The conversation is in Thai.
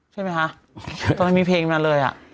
ใช่ไหมคะตอนมันมีเพลงมาเลยอ่ะ